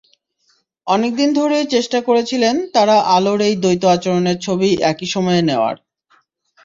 অনেক দিন ধরেই চেষ্টা করেছিলেন তাঁরা আলোর এই দ্বৈত আচরণের ছবি একই সময়ে নেওয়ার।